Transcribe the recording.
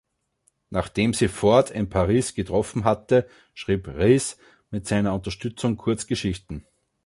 Nachdem sie Ford in Paris getroffen hatte, schrieb Rhys mit seiner Unterstützung Kurzgeschichten.